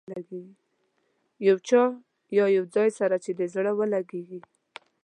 یو چا یا یو ځای سره چې دې زړه ولګېږي.